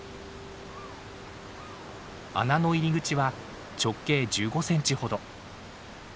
穴の入り口は直径１５センチほど。